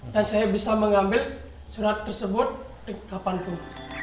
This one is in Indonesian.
dan saya bisa mengambil surat tersebut kapanpun